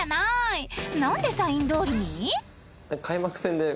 なんでサインどおりに？